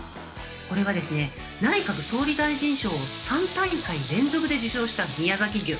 これはですね、内閣総理大臣賞を３大会連続で受賞した宮崎牛。